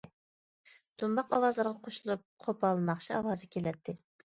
دۇمباق ئاۋازلىرىغا قوشۇلۇپ قوپال ناخشا ئاۋازى كېلەتتى.